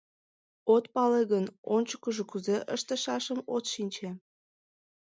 От пале гын, ончыкыжо кузе ыштышашым от шинче.